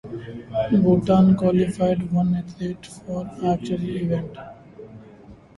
Bhutan qualified one athlete for Archery event.